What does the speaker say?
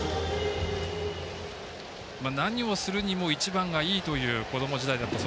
何をするにも一番がいいというこども時代だったと。